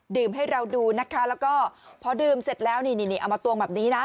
ให้เราดูนะคะแล้วก็พอดื่มเสร็จแล้วนี่นี่เอามาตวงแบบนี้นะ